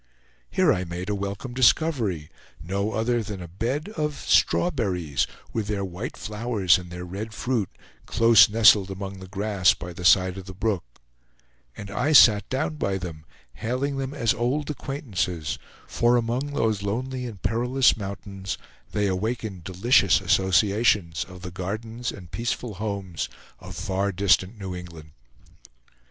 Here I made a welcome discovery, no other than a bed of strawberries, with their white flowers and their red fruit, close nestled among the grass by the side of the brook, and I sat down by them, hailing them as old acquaintances; for among those lonely and perilous mountains they awakened delicious associations of the gardens and peaceful homes of far distant New England.